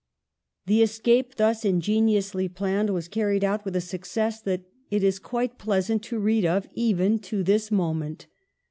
The escape thus ingeniously planned was car ried out with a success that it is quite pleasant to read of, even to this moment.